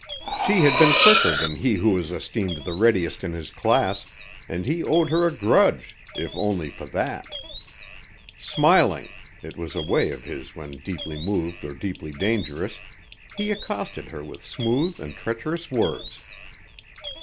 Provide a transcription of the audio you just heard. She had been quicker than he who was esteemed the readiest in his class, and he owed her a grudge, if only for that. Smiling it was a way of his when deeply moved or deeply dangerous he accosted her with smooth and treacherous words.